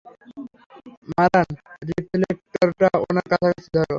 মারান, রিফ্লেকটরটা ওনার কাছাকাছি ধরো।